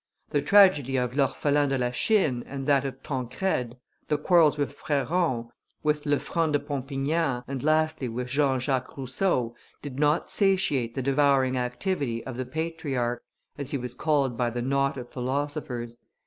The tragedy of L' Orphelin de la Chine and that of Tancrede, the quarrels with Freron, with Lefranc de Pompignan, and lastly with Jean Jacques Rousseau, did not satiate the devouring activity of the Patriarch, as he was called by the knot of philosophers.